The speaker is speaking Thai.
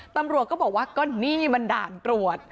ตำรวจก็บอกว่าก็นี่มันด่านตรวจ